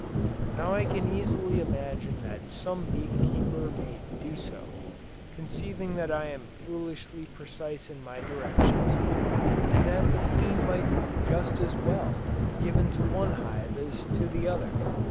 Now I can easily imagine that some bee keeper may do so, conceiving that I am foolishly precise in my directions, and that the queen might be just as well given to one hive as to the other.